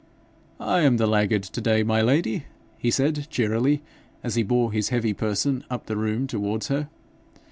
'I am the laggard to day, my lady,' he said, cheerily, as he bore his heavy person up the room towards her.